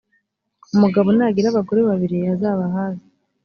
umugabo nagira abagore babiri azabahaze,